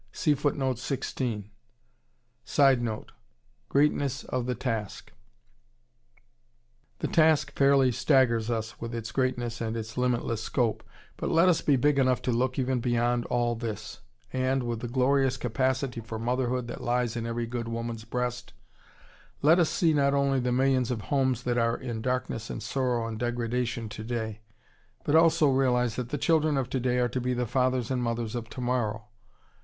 [Sidenote: Greatness of the task.] The task fairly staggers us with its greatness and its limitless scope; but let us be big enough to look even beyond all this, and, with the glorious capacity for motherhood that lies in every good woman's breast, let us see not only the millions of homes that are in darkness and sorrow and degradation today, but also realize that the children of today are to be the fathers and mothers of tomorrow.